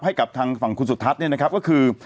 ให้กับทางฝั่งคนสุทัศน์ก็คือ